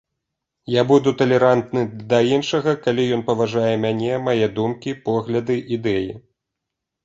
Я буду талерантны да іншага, калі ён паважае мяне, мае думкі, погляды, ідэі.